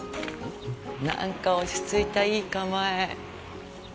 なんか落ちついた、いい構え。